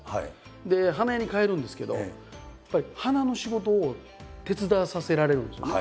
で花屋に帰るんですけどやっぱり花の仕事を手伝わさせられるんですよね。